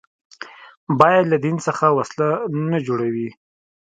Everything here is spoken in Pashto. باید له دین څخه وسله نه جوړوي